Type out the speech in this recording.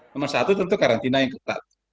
nomor satu tentu karantina yang ketat